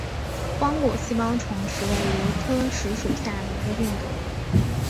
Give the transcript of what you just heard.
光果细苞虫实为藜科虫实属下的一个变种。